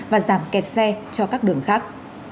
và giảm kẹt xe cho các đường khác